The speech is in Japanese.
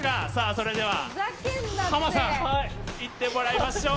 それではハマさんいってもらいましょう。